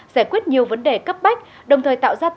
giải quyết nhiều vấn đề cấp bách